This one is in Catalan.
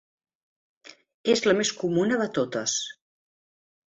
És la més comuna de totes.